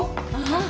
ああ。